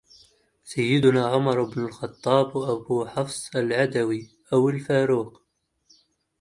سيدنا عمر بن الخطاب أبو حفص العدوي أو “الفاروق”